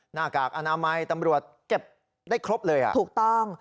หน้ากากอนามัยตำรวจเก็บได้ครบเลยอ่ะถูกต้อง